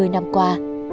hai mươi năm qua